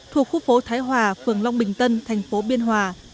thuộc khu phố thái hòa phường long bình tân thành phố biên hòa